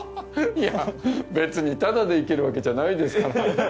いや別にタダで行けるわけじゃないですから。